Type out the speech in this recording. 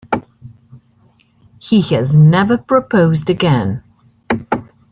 He has never proposed again.